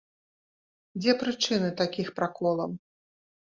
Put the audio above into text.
Дзе прычыны такіх праколаў?